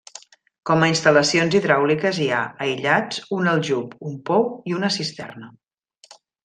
Com a instal·lacions hidràuliques hi ha, aïllats, un aljub, un pou i una cisterna.